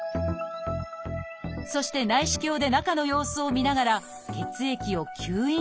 そして内視鏡で中の様子を見ながら血液を吸引するというもの